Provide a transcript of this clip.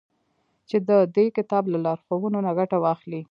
چي د دې كتاب له لارښوونو نه گټه واخلي.